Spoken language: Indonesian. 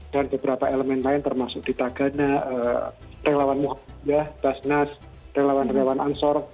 dan beberapa elemen lain termasuk di tagana relawan muhadjah dasnas relawan relawan ansor